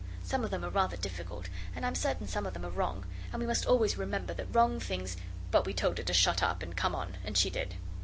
Some of them are rather difficult: and I'm certain some of them are wrong and we must always remember that wrong things ' But we told her to shut up and come on, and she did.